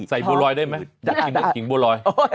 ใส่บัวรอยได้ไหมมากินกับหนึ่งขิงบัวรอย